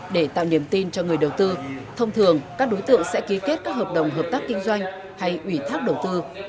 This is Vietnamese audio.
để tạo niềm tin cho người đầu tư thông thường các đối tượng sẽ ký kết các hợp đồng hợp tác kinh doanh hay ủy thác đầu tư